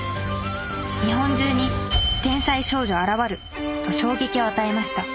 日本中に天才少女現ると衝撃を与えました。